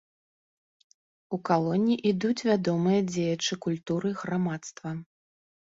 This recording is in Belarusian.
У калоне ідуць вядомыя дзеячы культуры, грамадства.